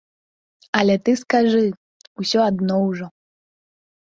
Але ты скажы, усё адно ўжо.